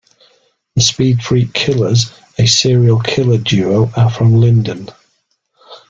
The Speed Freak Killers, a serial killer duo, are from Linden.